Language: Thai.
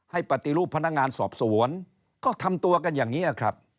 ปฏิรูปพนักงานสอบสวนก็ทำตัวกันอย่างนี้ครับ